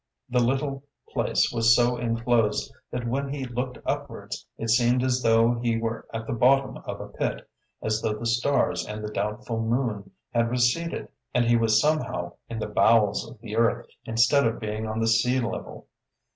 The little place was so enclosed that when he looked upwards it seemed as though he were at the bottom of a pit, as though the stars and the doubtful moon had receded and he was somehow in the bowels of the earth instead of being on the sea level.